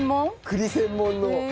栗専門の。